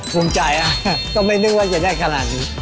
ภูมิใจก็ไม่นึกว่าจะได้ขนาดนี้